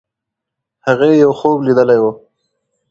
هغې یو خوب لیدلی وو.